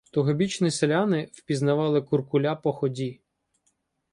Тогобічні селяни впізнавали "куркуля" по ході.